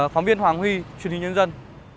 phóng viên hoàng huy truyền hình nhân dân